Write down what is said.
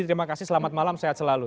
terima kasih selamat malam sehat selalu